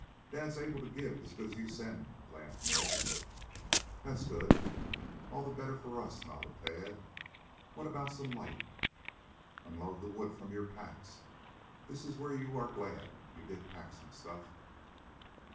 "Dad's able to give as good as you send," laughed Ned. "That's good. All the better for us," nodded Tad. "What about some light?" "Unload the wood from your packs. This is where you are glad you did pack some stuff."